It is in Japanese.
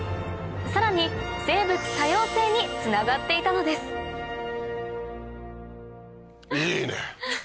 さらに生物多様性につながっていたのですいいね！